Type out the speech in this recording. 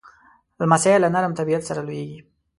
لمسی له نرم طبیعت سره لویېږي.